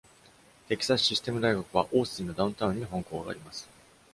テキサス・システム大学はオースティンのダウンタウンに本校があります。